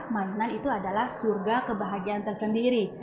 mainan itu adalah surga kebahagiaan tersendiri